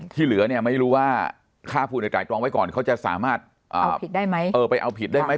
ที่เหลือไม่รู้ว่าข้าผูนในตายตรองไว้ก่อนเขาจะสามารถเอาผิดได้ไหม